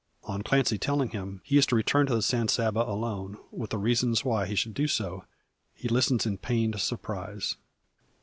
On Clancy telling him, he is to return to the San Saba alone, with the reasons why he should do so, he listens in pained surprise.